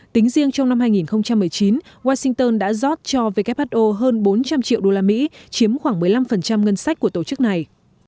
tính riêng trong năm hai nghìn một mươi chín washington đã giót cho who hơn bốn trăm linh triệu đô la mỹ chiếm khoảng một mươi năm ngân sách của tổ chức này